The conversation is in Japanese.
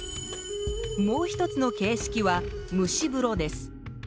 もう一つの形式は蒸し風呂です。